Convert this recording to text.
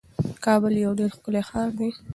کابل یو ډیر ښکلی ښار دی.